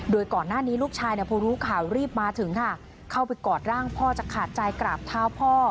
โดยก่อนหน้านี้ลูกชายเนี่ยพอรู้ข่าวรีบมาถึงค่ะเข้าไปกอดร่างพ่อจะขาดใจกราบเท้าพ่อ